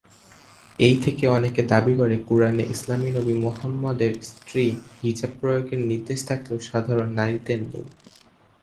এই থেকে অনেকে দাবী করে কোরআনে ইসলামী নবী মুহাম্মদের স্ত্রীদের হিজাব প্রয়োগের নির্দেশ থাকলেও, সাধারণ নারীদের নেই।